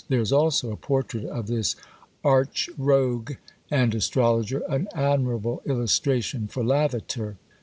There is also a portrait of this arch rogue, and astrologer: an admirable illustration for Lavater!